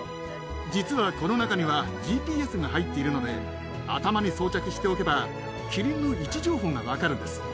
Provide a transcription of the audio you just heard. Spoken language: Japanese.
実はこの中にはＧＰＳが入っているので、頭に装着しておけば、キリンの位置情報が分かるんです。